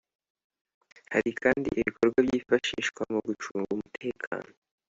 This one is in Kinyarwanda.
Hari kandi ibikorwa byifashishwa mu gucunga umutekano